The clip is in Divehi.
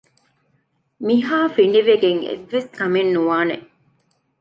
މިހާ ފިނޑިވެގެން އެއްވެސް ކަމެއް ނުވާނެ